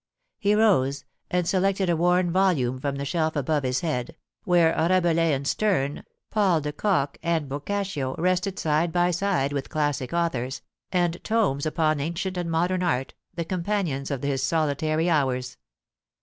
He rose, and selected a worn volume from the shelf above his head, where Rabelais and Sterne, Paul de Kock and Boccaccio, rested side by side with classic authors, and tomes upon ancient and modern art— the companions of his solitary hours.